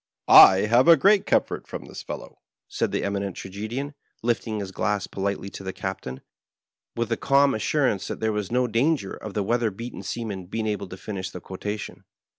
"* I have great comfort from this fellow,' " said the Eminent Tragedian, lifting his glass politely to the Captain, with a calm as surance that there was no danger of the weather beaten seaman being able to finish the quotation.